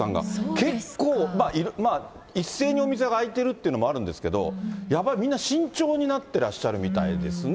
結構、一斉にお店が開いているっていうのもあるんですけど、やっぱりみんな慎重になってらっしゃるみたいですね。